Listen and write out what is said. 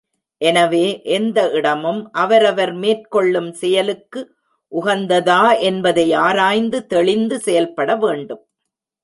எனவே எந்த இடமும் அவரவர் மேற்கொள்ளும் செயலுக்கு உகந்ததா என்பதை ஆராய்ந்து தெளிந்து செயல்பட வேண்டும்.